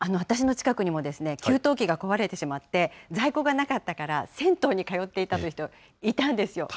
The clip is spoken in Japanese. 私の近くにも、給湯器が壊れてしまって、在庫がなかったから銭湯に通っていたという人、いたんですよ。